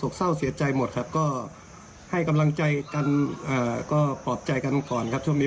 เพราะฉะนั้นก็ปลอบใจกันก่อนครับช่วงนี้